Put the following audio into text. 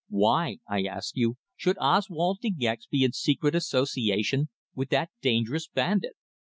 "Why, I ask you, should Oswald De Gex be in secret association with that dangerous bandit?"